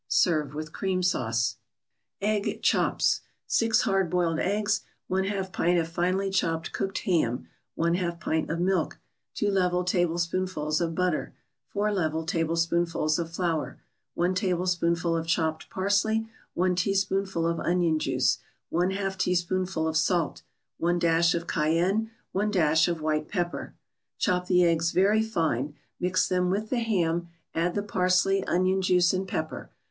Serve with cream sauce. EGG CHOPS 6 hard boiled eggs 1/2 pint of finely chopped cooked ham 1/2 pint of milk 2 level tablespoonfuls of butter 4 level tablespoonfuls of flour 1 tablespoonful of chopped parsley 1 teaspoonful of onion juice 1/2 teaspoonful of salt 1 dash of cayenne 1 dash of white pepper Chop the eggs very fine, mix them with the ham; add the parsley, onion juice and pepper.